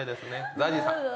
ＺＡＺＹさん。